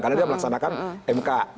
karena dia melaksanakan mk